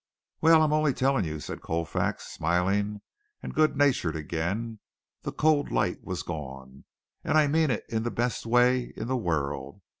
"Well, I'm only telling you," said Colfax, smiling and good natured again. The cold light was gone. "And I mean it in the best way in the world.